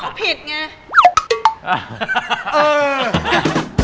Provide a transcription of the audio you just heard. คิดมาก